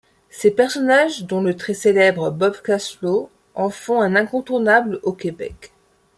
Ses personnages, dont le très célèbre Bob Cashflow, en font un incontournable au Québec.